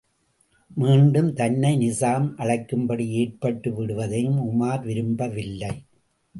மீண்டும் தன்னை நிசாம் அழைக்கும்படி ஏற்பட்டு விடுவதையும் உமார் விரும்பவில்லை.